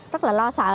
rất là lo sợ